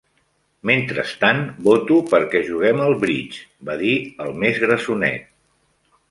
"Mentrestant, voto perquè juguem al bridge", va dir el més grassonet.